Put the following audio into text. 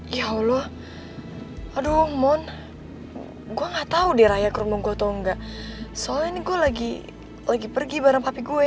ya allah aduh mon gue gak tau deh raya ke rumah gue atau enggak soalnya ini gue lagi lagi pergi bareng papi gue